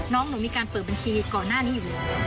น้องหนูมีการเปิดบัญชีก่อนหน้านี้อยู่